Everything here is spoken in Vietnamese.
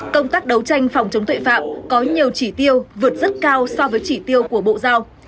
công tác đấu tranh phòng chống tội phạm có nhiều chỉ tiêu vượt rất cao so với chỉ tiêu của bộ giao